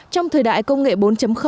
trong thời đại công nghệ bốn